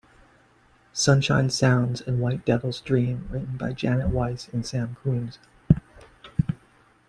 "Sunshine Sounds" and "White Devil's Dream" written by Janet Weiss and Sam Coomes.